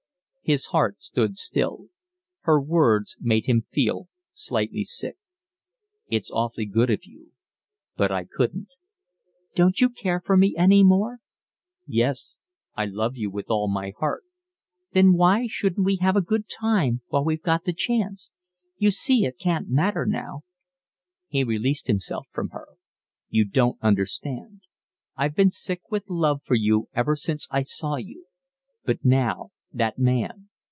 His heart stood still. Her words made him feel slightly sick. "It's awfully good of you, but I couldn't." "Don't you care for me any more?" "Yes, I love you with all my heart." "Then why shouldn't we have a good time while we've got the chance? You see, it can't matter now." He released himself from her. "You don't understand. I've been sick with love for you ever since I saw you, but now—that man.